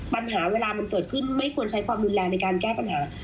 ปัญหาเวลามันเกิดขึ้นไม่ควรใช้ความรุนแรงในการแก้ปัญหา